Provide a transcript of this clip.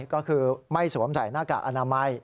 ก็คือไม่สวมใส่หน้ากากอนามัย